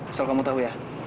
asal kamu tahu ya